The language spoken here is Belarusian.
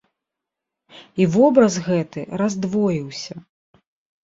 І вобраз гэты раздвоіўся.